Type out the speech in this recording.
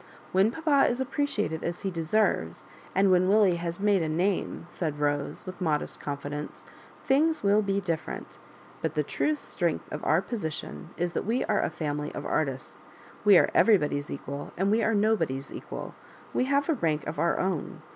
"When papa is appreciated as he deserves, and when Willie has made a name,'' said Bose, with modest confidence, ''things will be different But the true strength of our position is that we are a fapily of artists. We are everybody's equal, and we are nobody's equal. We have a rank of our own.